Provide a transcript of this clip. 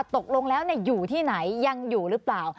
ตกลงแล้วอยู่ที่ไหนยังอยู่หรือเปล่า